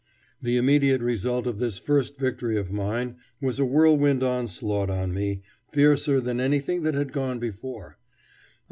The immediate result of this first victory of mine was a whirlwind onslaught on me, fiercer than anything that had gone before.